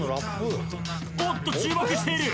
おっと注目している。